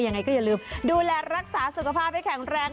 ยังไงก็อย่าลืมดูแลรักษาสุขภาพให้แข็งแรง